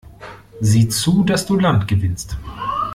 Sieh zu, dass du Land gewinnst!